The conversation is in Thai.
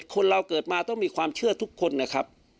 คนเราเกิดมาต้องมีความเชื่อทุกคนนะครับ